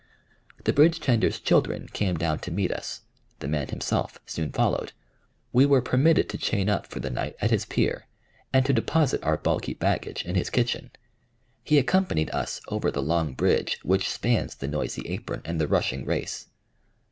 The bridge tender's children came down to meet us; the man himself soon followed; we were permitted to chain up for the night at his pier, and to deposit our bulky baggage in his kitchen; he accompanied us over the long bridge which spans the noisy apron and the rushing race.